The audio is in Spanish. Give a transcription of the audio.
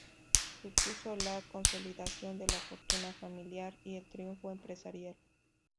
Supuso la consolidación de la fortuna familiar y el triunfo empresarial.